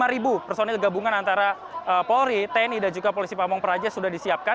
dua puluh lima ribu personil gabungan antara polri tni dan juga polisi pamung peraja sudah disiapkan